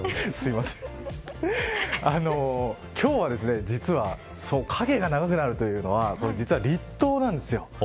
今日は実は影が長くなるというのは実は立冬なんですよ。